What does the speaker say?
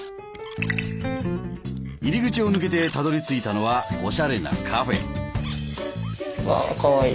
入り口を抜けてたどりついたのはおしゃれなカフェ！